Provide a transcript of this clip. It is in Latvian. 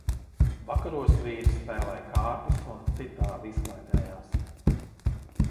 Vakaros vīri spēlēja kārtis un citādi izklaidējās.